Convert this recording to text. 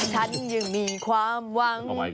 ฉันยังมีความหวัง